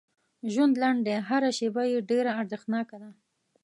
ژوند لنډ دی هر شیبه یې ډېره ارزښتناکه ده